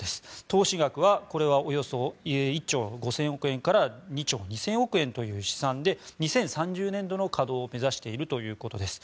投資額はこれはおよそ１兆５０００億円から２兆２０００億円という試算で２０３０年度の稼働を目指しているということです。